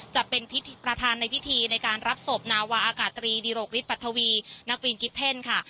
จะเป็นประธานในพิธีในการรับศพนาวาอากาศตรีดิโรคฤทธปัททวีนักวินกิฟเพ่นค่ะ